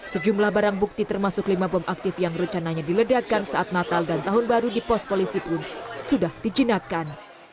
sejumlah barang bukti termasuk lima bom aktif yang rencananya diledakkan saat natal dan tahun baru di pos polisi pun sudah dijinakkan